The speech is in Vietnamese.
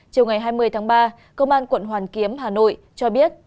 chiều ngày hai mươi tháng ba công an quận hoàn kiếm hà nội cho biết